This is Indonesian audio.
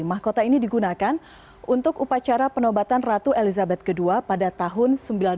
mahkota ini digunakan untuk upacara penobatan ratu elizabeth ii pada tahun seribu sembilan ratus sembilan puluh